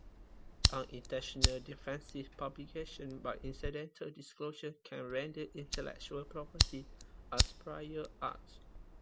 Unintentional defensive publication by incidental disclosure can render intellectual property as prior art.